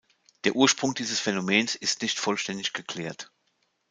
Der Ursprung dieses Phänomens ist nicht vollständig geklärt.